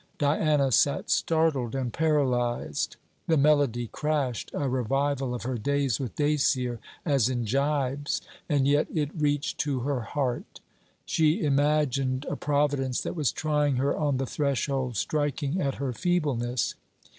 Diana sat startled and paralyzed. The melody crashed a revival of her days with Dacier, as in gibes; and yet it reached to her heart. She imagined a Providence that was trying her on the threshold, striking at her feebleness.